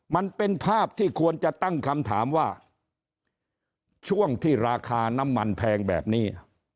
มันเป็นภาพที่ควรจะตั้งคำถามว่าช่วงที่ราคาน้ำมันแพงแบบนี้